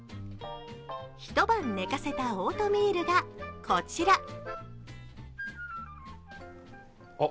一晩寝かせたオートミールがこちら。